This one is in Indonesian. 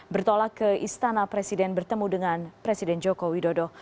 bertolak ke istana presiden bertemu dengan presiden jokowi dodo